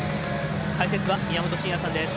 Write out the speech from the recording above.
解説は宮本慎也さんです。